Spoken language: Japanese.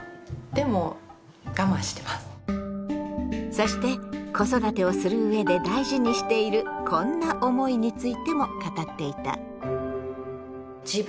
そして子育てをするうえで大事にしているこんな思いについても語っていた。